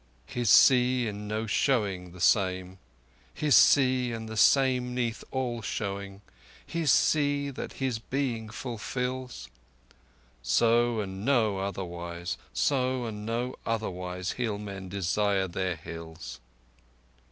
His Sea in no showing the same—his Sea and the same 'neath all showing— His Sea that his being fulfils? So and no otherwise—so and no otherwise Hill men desire their Hills!